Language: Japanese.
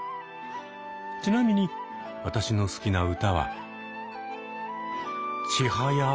ちなみに私の好きな歌は「ちはや」。